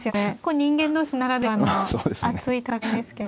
人間同士ならではの熱い戦いですけれど。